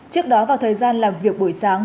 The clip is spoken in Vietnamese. trước đó vào thời gian làm việc buổi sáng